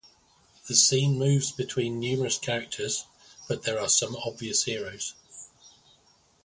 The scene moves between numerous characters, but there are some obvious heroes.